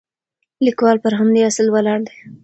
لیکوال پر همدې اصل ولاړ دی.